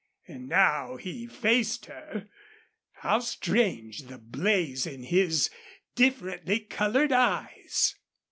And now he faced her. How strange the blaze in his differently colored eyes!